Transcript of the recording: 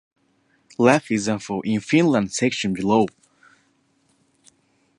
Rough example in Finland section below.